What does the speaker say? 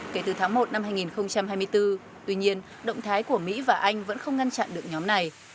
kể từ tháng một năm hai nghìn hai mươi bốn tuy nhiên động thái của mỹ và anh vẫn không ngăn chặn được nhóm này